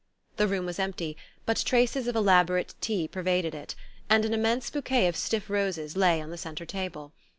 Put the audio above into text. The room was empty, but traces of elaborate tea pervaded it, and an immense bouquet of stiff roses lay on the centre table.